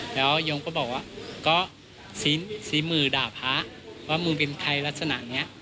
แล้วโยมก็บอกว่าก็ชี้มือด่าพระว่ามึงเป็นใครลักษณะนี้